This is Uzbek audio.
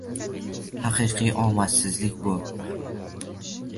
Haqiqiy omadsizlik bu